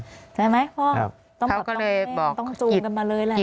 เสร็จไหมพ่อเขาก็เลยบอกต้องอุ้มกันมาเลยแหละ